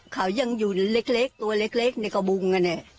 เขายังอยู่เล็กตัวเล็กในกระบุงกันเนี่ย